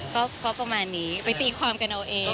ก็ประมาณนี้ไปตีความกันเอาเอง